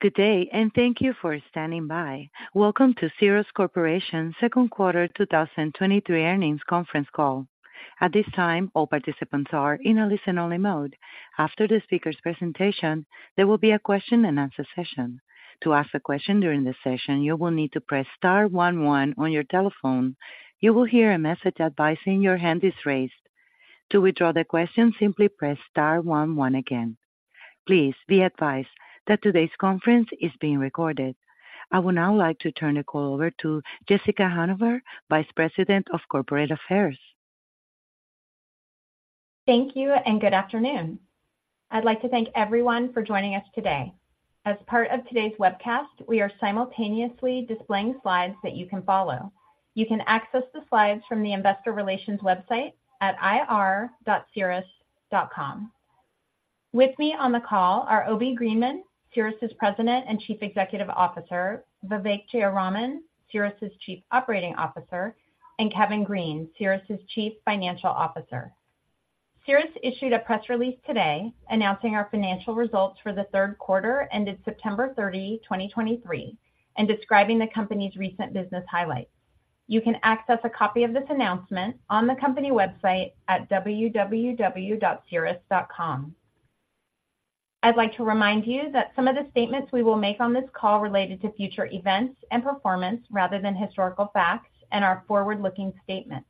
Good day, and thank you for standing by. Welcome to Cerus Corporation Second Quarter 2023 Earnings Conference Call. At this time, all participants are in a listen-only mode. After the speaker's presentation, there will be a question-and-answer session. To ask a question during the session, you will need to press star one one on your telephone. You will hear a message advising your hand is raised. To withdraw the question, simply press star one one again. Please be advised that today's conference is being recorded. I would now like to turn the call over to Jessica Hanover, Vice President of Corporate Affairs. Thank you and good afternoon. I'd like to thank everyone for joining us today. As part of today's webcast, we are simultaneously displaying slides that you can follow. You can access the slides from the investor relations website at ir.cerus.com. With me on the call are Obi Greenman, Cerus's President and Chief Executive Officer; Vivek Jayaraman, Cerus's Chief Operating Officer, and Kevin Green, Cerus's Chief Financial Officer. Cerus issued a press release today announcing our financial results for the third quarter, ended September 30, 2023, and describing the Company's recent business highlights. You can access a copy of this announcement on the company website at www.cerus.com. I'd like to remind you that some of the statements we will make on this call related to future events and performance rather than historical facts and are forward-looking statements.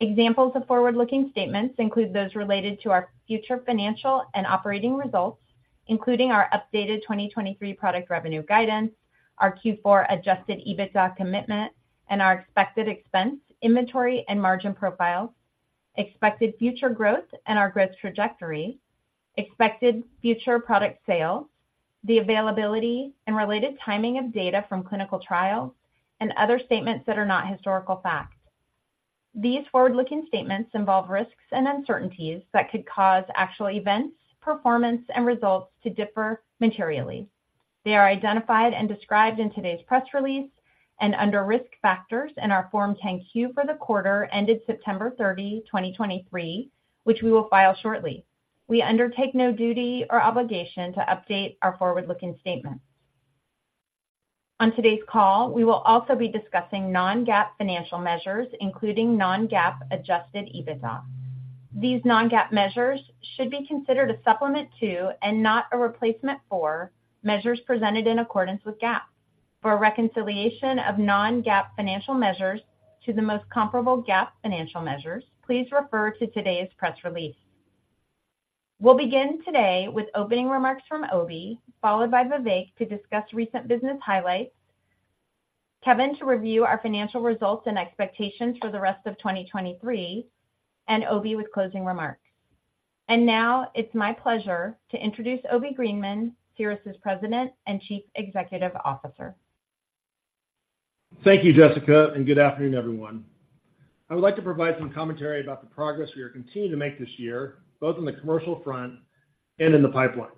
Examples of forward-looking statements include those related to our future financial and operating results, including our updated 2023 product revenue guidance, our Q4 adjusted EBITDA commitment, and our expected expense, inventory, and margin profiles, expected future growth and our growth trajectory, expected future product sales, the availability and related timing of data from clinical trials, and other statements that are not historical facts. These forward-looking statements involve risks and uncertainties that could cause actual events, performance, and results to differ materially. They are identified and described in today's press release and under Risk Factors in our Form 10-Q for the quarter ended September 30, 2023, which we will file shortly. We undertake no duty or obligation to update our forward-looking statements. On today's call, we will also be discussing non-GAAP financial measures, including non-GAAP adjusted EBITDA. These non-GAAP measures should be considered a supplement to, and not a replacement for, measures presented in accordance with GAAP. For a reconciliation of non-GAAP financial measures to the most comparable GAAP financial measures, please refer to today's press release. We'll begin today with opening remarks from Obi, followed by Vivek to discuss recent business highlights, Kevin to review our financial results and expectations for the rest of 2023, and Obi with closing remarks. Now it's my pleasure to introduce Obi Greenman, Cerus's President and Chief Executive Officer. Thank you, Jessica, and good afternoon, everyone. I would like to provide some commentary about the progress we are continuing to make this year, both on the commercial front and in the pipeline.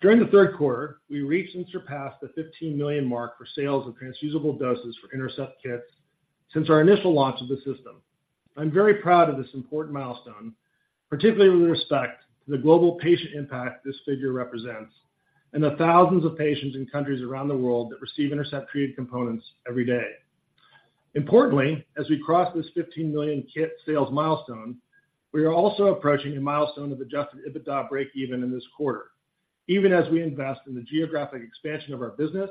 During the third quarter, we reached and surpassed the 15 million mark for sales of transfusible doses for INTERCEPT kits since our initial launch of the system. I'm very proud of this important milestone, particularly with respect to the global patient impact this figure represents and the thousands of patients in countries around the world that receive INTERCEPT treated components every day. Importantly, as we cross this 15 million kit sales milestone, we are also approaching a milestone of Adjusted EBITDA breakeven in this quarter, even as we invest in the geographic expansion of our business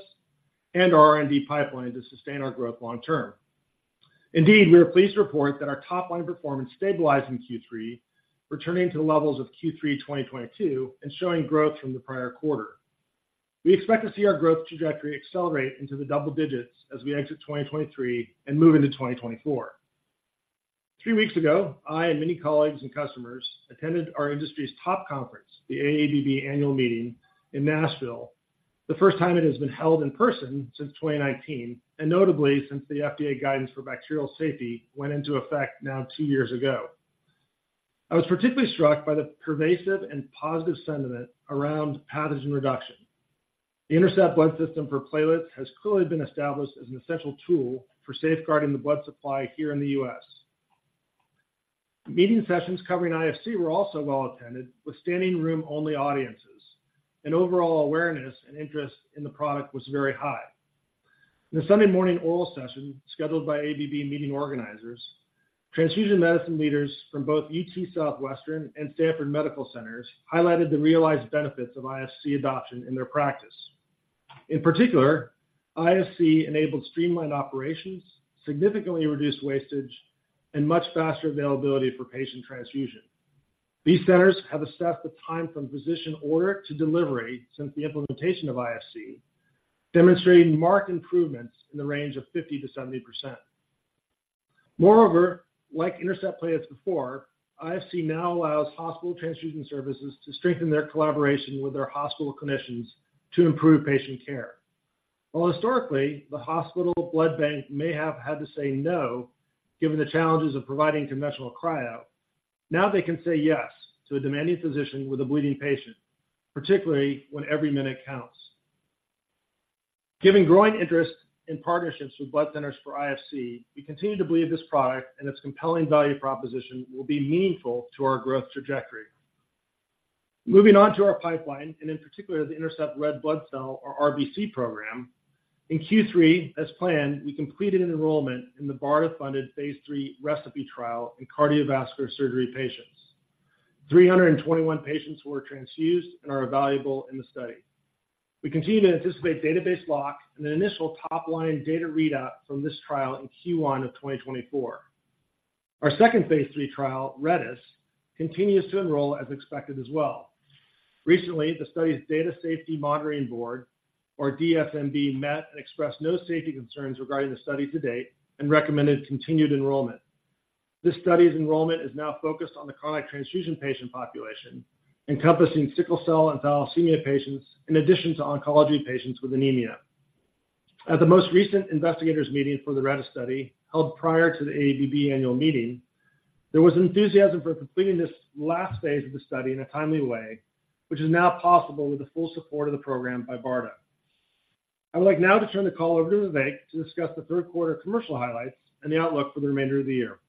and our R&D pipeline to sustain our growth long term. Indeed, we are pleased to report that our top-line performance stabilized in Q3, returning to the levels of Q3 2022 and showing growth from the prior quarter. We expect to see our growth trajectory accelerate into the double digits as we exit 2023 and move into 2024. 3 weeks ago, I and many colleagues and customers attended our industry's top conference, the AABB Annual Meeting in Nashville, the first time it has been held in person since 2019, and notably since the FDA guidance for bacterial safety went into effect now 2 years ago. I was particularly struck by the pervasive and positive sentiment around pathogen reduction. The INTERCEPT Blood System for platelets has clearly been established as an essential tool for safeguarding the blood supply here in the U.S. The meeting sessions covering IFC were also well attended, with standing room only audiences, and overall awareness and interest in the product was very high. In the Sunday morning oral session, scheduled by AABB meeting organizers, transfusion medicine leaders from both UT Southwestern and Stanford Medical Centers highlighted the realized benefits of IFC adoption in their practice. In particular, IFC enabled streamlined operations, significantly reduced wastage, and much faster availability for patient transfusion. These centers have assessed the time from physician order to delivery since the implementation of IFC, demonstrating marked improvements in the range of 50%-70%. Moreover, like INTERCEPT platelets before, IFC now allows hospital transfusion services to strengthen their collaboration with their hospital clinicians to improve patient care. While historically, the hospital blood bank may have had to say no, given the challenges of providing conventional cryo, now they can say yes to a demanding physician with a bleeding patient, particularly when every minute counts. Given growing interest in partnerships with blood centers for IFC, we continue to believe this product and its compelling value proposition will be meaningful to our growth trajectory. Moving on to our pipeline, and in particular, the INTERCEPT red blood cell, or RBC program. In Q3, as planned, we completed an enrollment in the BARDA-funded phase 3 ReCePI trial in cardiovascular surgery patients. 321 patients were transfused and are evaluable in the study. We continue to anticipate database lock and an initial top-line data readout from this trial in Q1 of 2024. Our second phase 3 trial, RedeS, continues to enroll as expected as well. Recently, the study's Data Safety Monitoring Board, or DSMB, met and expressed no safety concerns regarding the study to date and recommended continued enrollment. This study's enrollment is now focused on the chronic transfusion patient population, encompassing sickle cell and thalassemia patients, in addition to oncology patients with anemia. At the most recent investigators meeting for the RedeS study, held prior to the AABB Annual Meeting, there was enthusiasm for completing this last phase of the study in a timely way, which is now possible with the full support of the program by BARDA. I would like now to turn the call over to Vivek to discuss the third quarter commercial highlights and the outlook for the remainder of the year.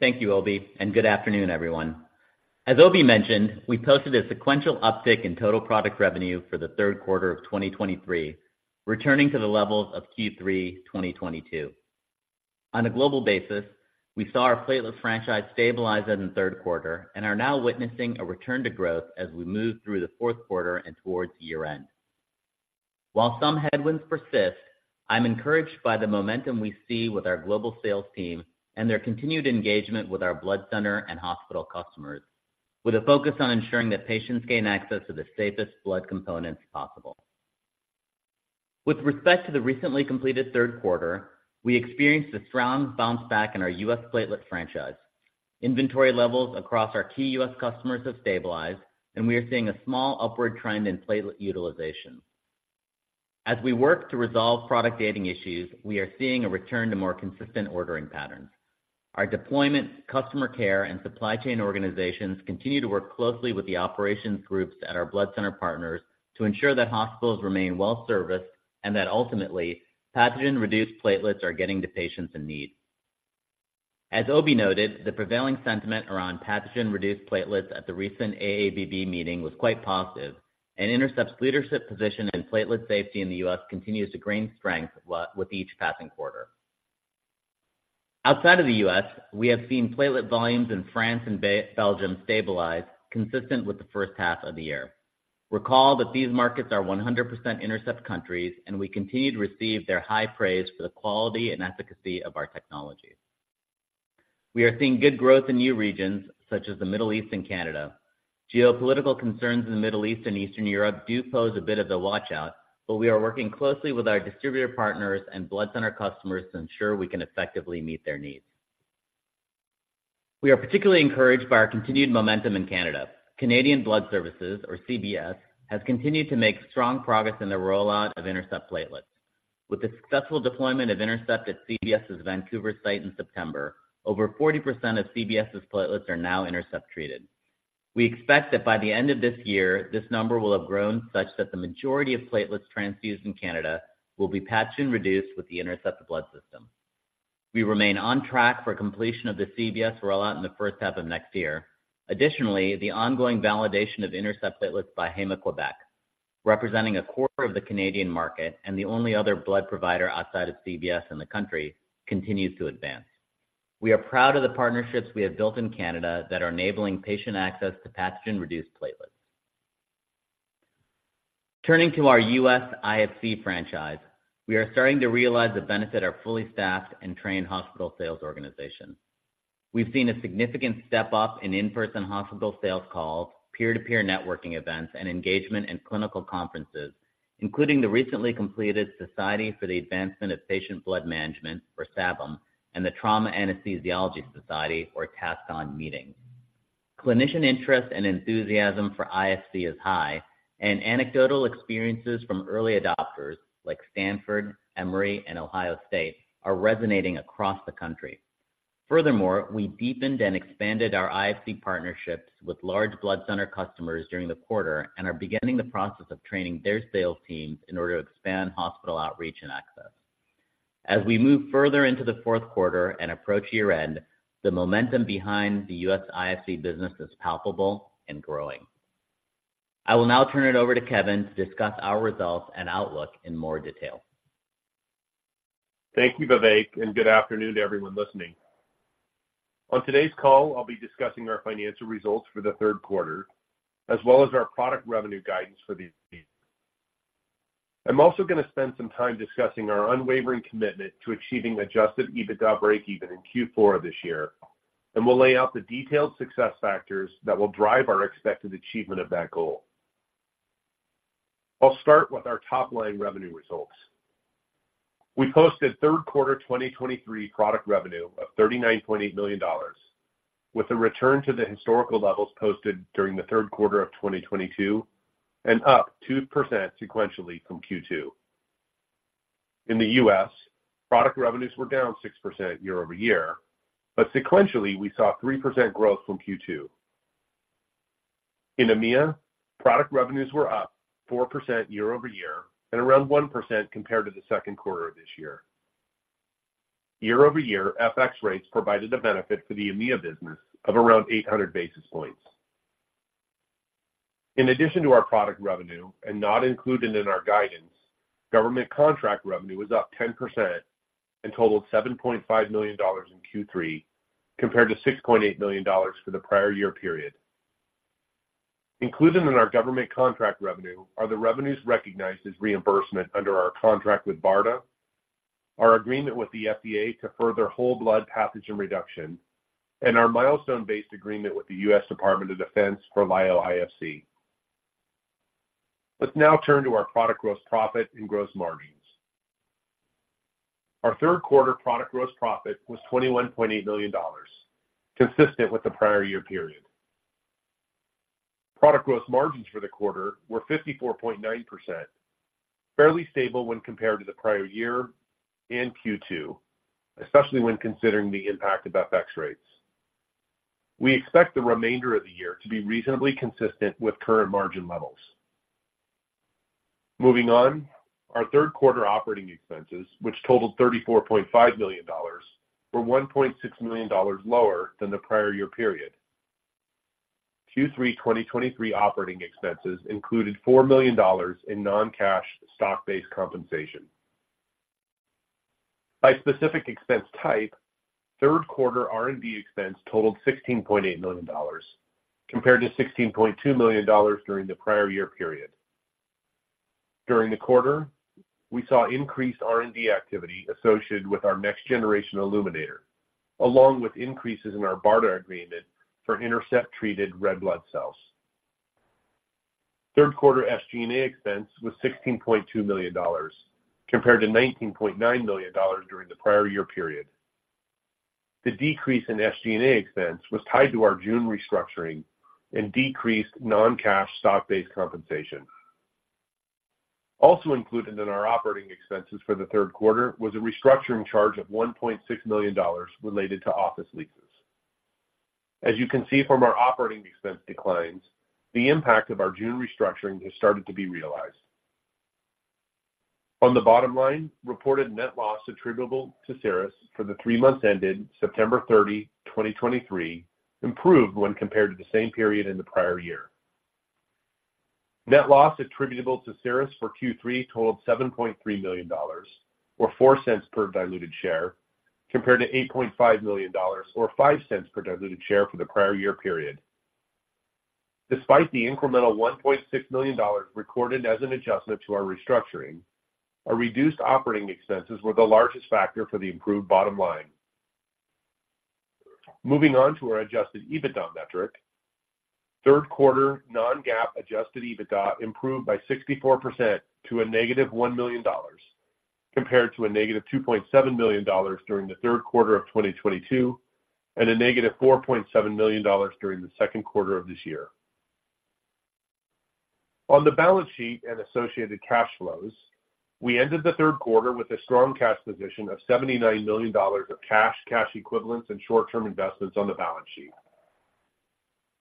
Thank you, Obi, and good afternoon, everyone. As Obi mentioned, we posted a sequential uptick in total product revenue for the third quarter of 2023, returning to the levels of Q3 2022. On a global basis, we saw our platelet franchise stabilize in the third quarter and are now witnessing a return to growth as we move through the fourth quarter and towards year-end. While some headwinds persist, I'm encouraged by the momentum we see with our global sales team and their continued engagement with our blood center and hospital customers, with a focus on ensuring that patients gain access to the safest blood components possible. With respect to the recently completed third quarter, we experienced a strong bounce back in our U.S. platelet franchise. Inventory levels across our key U.S. customers have stabilized, and we are seeing a small upward trend in platelet utilization. As we work to resolve product dating issues, we are seeing a return to more consistent ordering patterns. Our deployment, customer care, and supply chain organizations continue to work closely with the operations groups at our blood center partners to ensure that hospitals remain well-serviced and that ultimately, pathogen-reduced platelets are getting to patients in need. As Obi noted, the prevailing sentiment around pathogen-reduced platelets at the recent AABB meeting was quite positive, and INTERCEPT's leadership position in platelet safety in the U.S. continues to gain strength with each passing quarter. Outside of the U.S., we have seen platelet volumes in France and Belgium stabilize, consistent with the first half of the year. Recall that these markets are 100% INTERCEPT countries, and we continue to receive their high praise for the quality and efficacy of our technologies. We are seeing good growth in new regions, such as the Middle East and Canada. Geopolitical concerns in the Middle East and Eastern Europe do pose a bit of a watch-out, but we are working closely with our distributor partners and blood center customers to ensure we can effectively meet their needs. We are particularly encouraged by our continued momentum in Canada. Canadian Blood Services, or CBS, has continued to make strong progress in the rollout of INTERCEPT platelets. With the successful deployment of INTERCEPT at CBS's Vancouver site in September, over 40% of CBS's platelets are now INTERCEPT-treated. We expect that by the end of this year, this number will have grown such that the majority of platelets transfused in Canada will be pathogen-reduced with the INTERCEPT Blood System. We remain on track for completion of the CBS rollout in the first half of next year. Additionally, the ongoing validation of INTERCEPT platelets by Héma-Québec, representing a quarter of the Canadian market and the only other blood provider outside of CBS in the country, continues to advance. We are proud of the partnerships we have built in Canada that are enabling patient access to pathogen-reduced platelets. Turning to our U.S. IFC franchise, we are starting to realize the benefit of our fully staffed and trained hospital sales organization. We've seen a significant step-up in in-person hospital sales calls, peer-to-peer networking events, and engagement in clinical conferences, including the recently completed Society for the Advancement of Blood Management, or SABM, and the Trauma Anesthesiology Society, or TAS, meetings. Clinician interest and enthusiasm for IFC is high, and anecdotal experiences from early adopters like Stanford, Emory, and Ohio State are resonating across the country. Furthermore, we deepened and expanded our IFC partnerships with large blood center customers during the quarter and are beginning the process of training their sales teams in order to expand hospital outreach and access. As we move further into the fourth quarter and approach year-end, the momentum behind the U.S. IFC business is palpable and growing. I will now turn it over to Kevin to discuss our results and outlook in more detail. Thank you, Vivek, and good afternoon to everyone listening. On today's call, I'll be discussing our financial results for the third quarter, as well as our product revenue guidance for these weeks. I'm also going to spend some time discussing our unwavering commitment to achieving adjusted EBITDA breakeven in Q4 of this year, and we'll lay out the detailed success factors that will drive our expected achievement of that goal. I'll start with our top-line revenue results. We posted third quarter 2023 product revenue of $39.8 million, with a return to the historical levels posted during the third quarter of 2022 and up 2% sequentially from Q2.... In the US, product revenues were down 6% year-over-year, but sequentially, we saw 3% growth from Q2. In EMEA, product revenues were up 4% year-over-year and around 1% compared to the second quarter of this year. Year-over-year, FX rates provided a benefit for the EMEA business of around 800 basis points. In addition to our product revenue and not included in our guidance, government contract revenue was up 10% and totaled $7.5 million in Q3, compared to $6.8 million for the prior year period. Included in our government contract revenue are the revenues recognized as reimbursement under our contract with BARDA, our agreement with the FDA to further whole blood pathogen reduction, and our milestone-based agreement with the US Department of Defense for Lyo-IFC. Let's now turn to our product gross profit and gross margins. Our third quarter product gross profit was $21.8 million, consistent with the prior year period. Product gross margins for the quarter were 54.9%, fairly stable when compared to the prior year and Q2, especially when considering the impact of FX rates. We expect the remainder of the year to be reasonably consistent with current margin levels. Moving on, our third quarter operating expenses, which totaled $34.5 million, were $1.6 million lower than the prior year period. Q3 2023 operating expenses included $4 million in non-cash stock-based compensation. By specific expense type, third quarter R&D expense totaled $16.8 million, compared to $16.2 million during the prior year period. During the quarter, we saw increased R&D activity associated with our next-generation illuminator, along with increases in our BARDA agreement for INTERCEPT-treated red blood cells. Third quarter SG&A expense was $16.2 million, compared to $19.9 million during the prior year period. The decrease in SG&A expense was tied to our June restructuring and decreased non-cash stock-based compensation. Also included in our operating expenses for the third quarter was a restructuring charge of $1.6 million related to office leases. As you can see from our operating expense declines, the impact of our June restructuring has started to be realized. On the bottom line, reported net loss attributable to Cerus for the three months ended September 30, 2023, improved when compared to the same period in the prior year. Net loss attributable to Cerus for Q3 totaled $7.3 million, or $0.04 per diluted share, compared to $8.5 million, or $0.05 per diluted share for the prior year period. Despite the incremental $1.6 million recorded as an adjustment to our restructuring, our reduced operating expenses were the largest factor for the improved bottom line. Moving on to our adjusted EBITDA metric. Third quarter non-GAAP adjusted EBITDA improved by 64% to -$1 million, compared to -$2.7 million during the third quarter of 2022, and -$4.7 million during the second quarter of this year. On the balance sheet and associated cash flows, we ended the third quarter with a strong cash position of $79 million of cash, cash equivalents, and short-term investments on the balance sheet.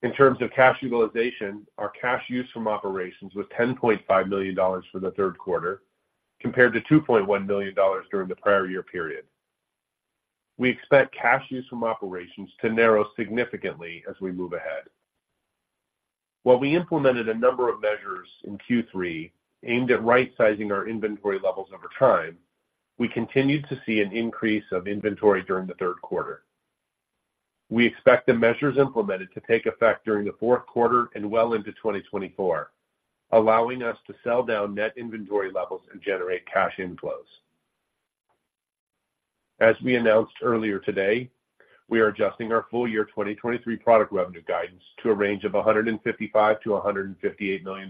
In terms of cash utilization, our cash use from operations was $10.5 million for the third quarter, compared to $2.1 million during the prior year period. We expect cash use from operations to narrow significantly as we move ahead. While we implemented a number of measures in Q3 aimed at right-sizing our inventory levels over time, we continued to see an increase of inventory during the third quarter. We expect the measures implemented to take effect during the fourth quarter and well into 2024, allowing us to sell down net inventory levels and generate cash inflows. As we announced earlier today, we are adjusting our full year 2023 product revenue guidance to a range of $155 million-$158 million.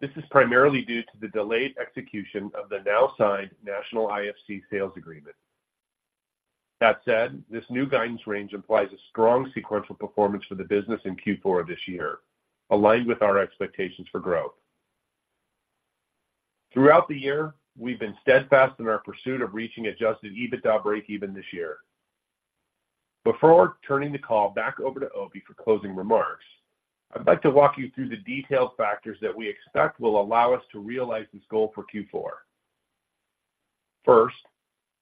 This is primarily due to the delayed execution of the now signed National IFC sales agreement. That said, this new guidance range implies a strong sequential performance for the business in Q4 this year, aligned with our expectations for growth. Throughout the year, we've been steadfast in our pursuit of reaching Adjusted EBITDA breakeven this year. Before turning the call back over to Obi for closing remarks, I'd like to walk you through the detailed factors that we expect will allow us to realize this goal for Q4. First,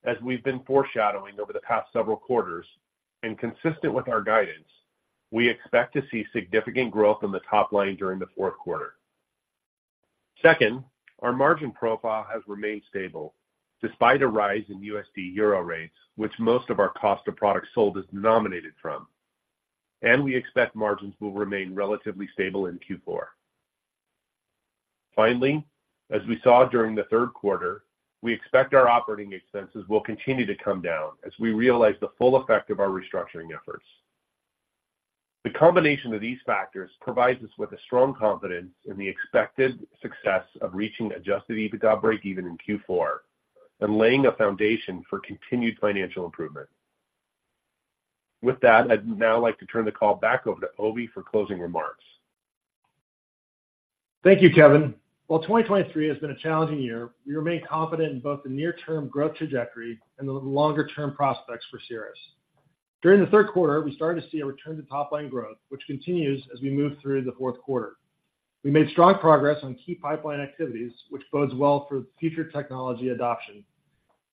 as we've been foreshadowing over the past several quarters and consistent with our guidance, we expect to see significant growth in the top line during the fourth quarter. Second, our margin profile has remained stable despite a rise in USD/EUR rates, which most of our cost of product sold is denominated from, and we expect margins will remain relatively stable in Q4. Finally, as we saw during the third quarter, we expect our operating expenses will continue to come down as we realize the full effect of our restructuring efforts. The combination of these factors provides us with a strong confidence in the expected success of reaching Adjusted EBITDA breakeven in Q4 and laying a foundation for continued financial improvement.... With that, I'd now like to turn the call back over to Obi for closing remarks. Thank you, Kevin. While 2023 has been a challenging year, we remain confident in both the near-term growth trajectory and the longer-term prospects for Cerus. During the third quarter, we started to see a return to top-line growth, which continues as we move through the fourth quarter. We made strong progress on key pipeline activities, which bodes well for future technology adoption.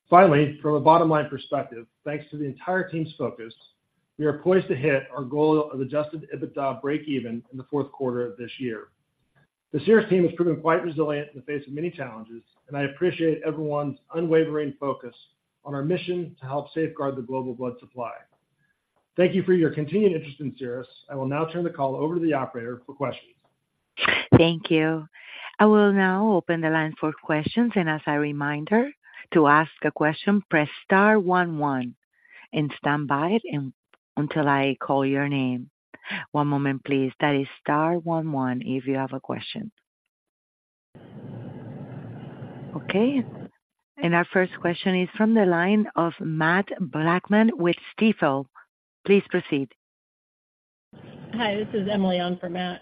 Finally, from a bottom-line perspective, thanks to the entire team's focus, we are poised to hit our goal of Adjusted EBITDA breakeven in the fourth quarter of this year. The Cerus team has proven quite resilient in the face of many challenges, and I appreciate everyone's unwavering focus on our mission to help safeguard the global blood supply. Thank you for your continued interest in Cerus. I will now turn the call over to the operator for questions. Thank you. I will now open the line for questions, and as a reminder, to ask a question, press star one one and stand by until I call your name. One moment, please. That is star one one if you have a question. Okay, and our first question is from the line of Matt Blackman with Stifel. Please proceed. Hi, this is Emily on for Matt.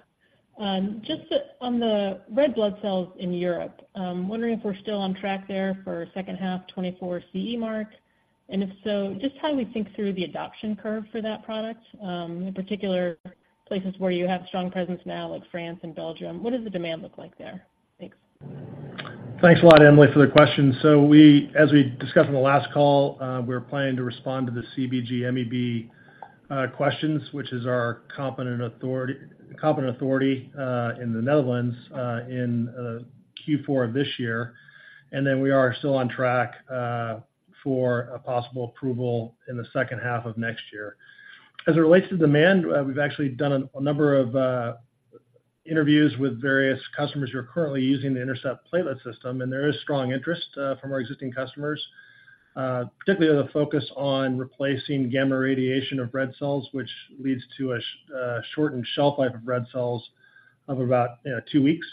Just on the red blood cells in Europe, I'm wondering if we're still on track there for second half 2024 CE mark, and if so, just how we think through the adoption curve for that product, in particular, places where you have strong presence now, like France and Belgium. What does the demand look like there? Thanks. Thanks a lot, Emily, for the question. So as we discussed on the last call, we're planning to respond to the CBG-MEB questions, which is our competent authority in the Netherlands in Q4 of this year. Then we are still on track for a possible approval in the second half of next year. As it relates to demand, we've actually done a number of interviews with various customers who are currently using the INTERCEPT platelet system, and there is strong interest from our existing customers. Particularly with a focus on replacing gamma radiation of red cells, which leads to a shortened shelf life of red cells of about two weeks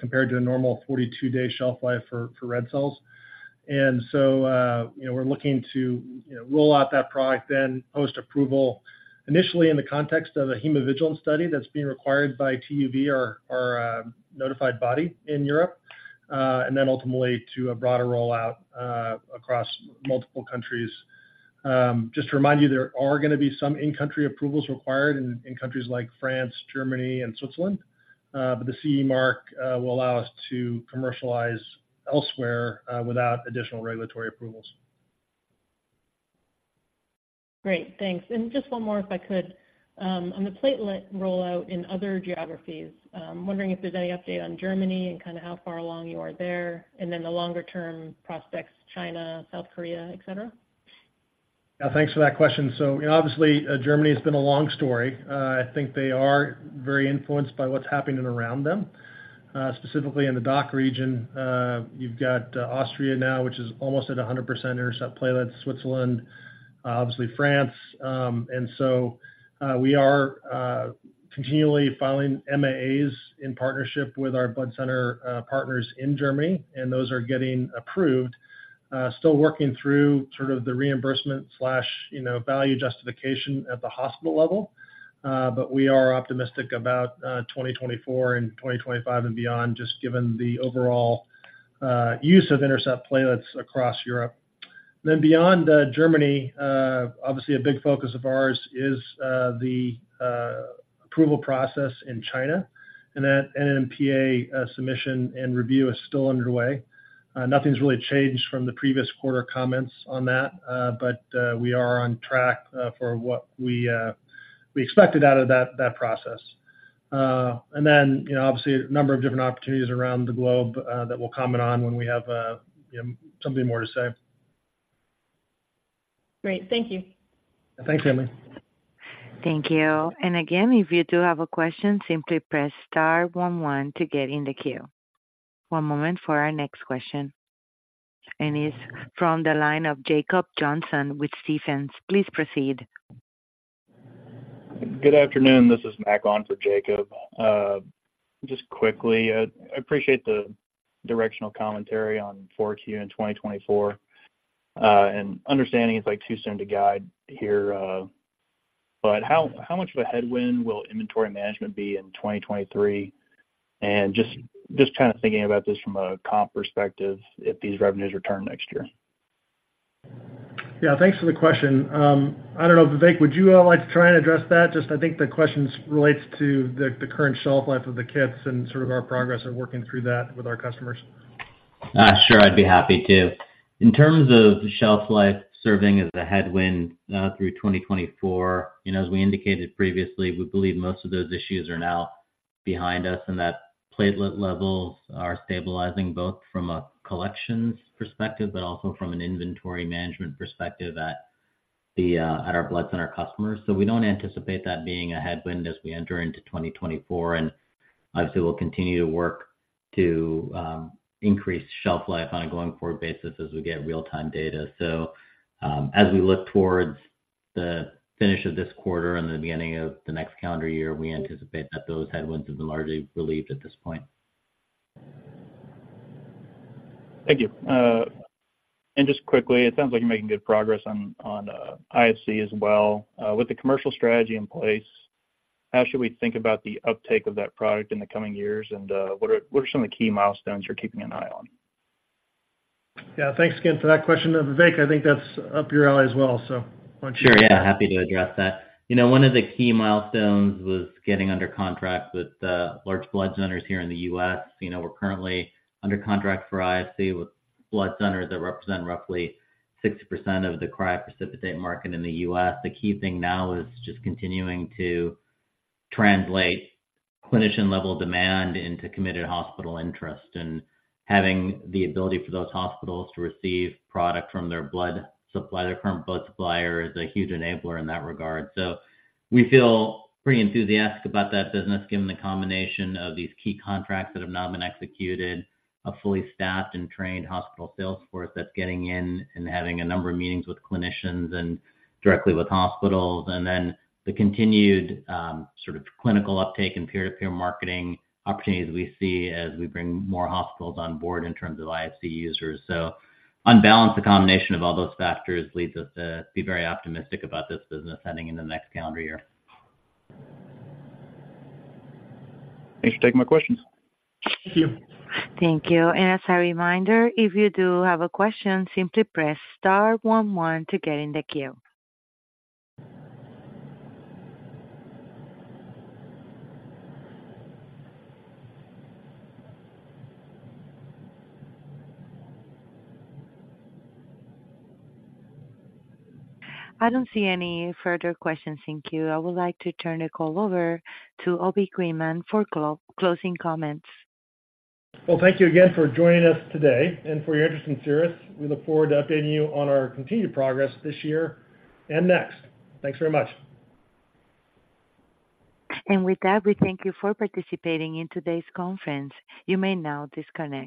compared to a normal 42-day shelf life for red cells. And so, you know, we're looking to, you know, roll out that product then post-approval, initially in the context of a hemovigilance study that's being required by TÜV SÜD, our notified body in Europe, and then ultimately to a broader rollout across multiple countries. Just to remind you, there are going to be some in-country approvals required in countries like France, Germany and Switzerland, but the CE mark will allow us to commercialize elsewhere without additional regulatory approvals. Great. Thanks. Just one more, if I could. On the platelet rollout in other geographies, wondering if there's any update on Germany and kind of how far along you are there, and then the longer-term prospects, China, South Korea, et cetera. Yeah, thanks for that question. So obviously, Germany has been a long story. I think they are very influenced by what's happening around them, specifically in the DACH region. You've got Austria now, which is almost at 100% INTERCEPT platelets, Switzerland, obviously France. And so, we are continually filing MAAs in partnership with our blood center partners in Germany, and those are getting approved. Still working through sort of the reimbursement slash, you know, value justification at the hospital level, but we are optimistic about 2024 and 2025 and beyond, just given the overall use of INTERCEPT platelets across Europe. Then beyond Germany, obviously, a big focus of ours is the approval process in China, and that NMPA submission and review is still underway. Nothing's really changed from the previous quarter comments on that, but we are on track for what we expected out of that process. And then, you know, obviously, a number of different opportunities around the globe that we'll comment on when we have, you know, something more to say. Great. Thank you. Thanks, Emily. Thank you. And again, if you do have a question, simply press star one one to get in the queue. One moment for our next question, and it's from the line of Jacob Johnson with Stephens. Please proceed. Good afternoon. This is Mack on for Jacob. Just quickly, I appreciate the directional commentary on Q4 in 2024, and understanding it's, like, too soon to guide here, but how much of a headwind will inventory management be in 2023? And just kind of thinking about this from a comp perspective, if these revenues return next year. Yeah, thanks for the question. I don't know, Vivek, would you like to try and address that? Just, I think the question relates to the current shelf life of the kits and sort of our progress of working through that with our customers. Sure, I'd be happy to. In terms of the shelf life serving as a headwind, through 2024, you know, as we indicated previously, we believe most of those issues are now behind us and that platelet levels are stabilizing, both from a collections perspective, but also from an inventory management perspective at our blood center customers. So we don't anticipate that being a headwind as we enter into 2024, and obviously, we'll continue to work to increase shelf life on a going-forward basis as we get real-time data. So, as we look towards the finish of this quarter and the beginning of the next calendar year, we anticipate that those headwinds have been largely relieved at this point. Thank you. And just quickly, it sounds like you're making good progress on IFC as well. With the commercial strategy in place, how should we think about the uptake of that product in the coming years, and what are some of the key milestones you're keeping an eye on? Yeah, thanks again for that question. Vivek, I think that's up your alley as well, so why don't you- Sure, yeah, happy to address that. You know, one of the key milestones was getting under contract with large blood centers here in the U.S. You know, we're currently under contract for IFC with blood centers that represent roughly 60% of the cryoprecipitate market in the U.S. The key thing now is just continuing to translate clinician-level demand into committed hospital interest and having the ability for those hospitals to receive product from their blood supply. Their current blood supplier is a huge enabler in that regard. So we feel pretty enthusiastic about that business, given the combination of these key contracts that have now been executed, a fully staffed and trained hospital sales force that's getting in and having a number of meetings with clinicians and directly with hospitals, and then the continued, sort of clinical uptake and peer-to-peer marketing opportunities we see as we bring more hospitals on board in terms of IFC users. So on balance, the combination of all those factors leads us to be very optimistic about this business heading into the next calendar year. Thanks for taking my questions. Thank you. Thank you. And as a reminder, if you do have a question, simply press star one one to get in the queue. I don't see any further questions in queue. I would like to turn the call over to Obi Greenman for closing comments. Well, thank you again for joining us today and for your interest in Cerus. We look forward to updating you on our continued progress this year and next. Thanks very much. With that, we thank you for participating in today's conference. You may now disconnect.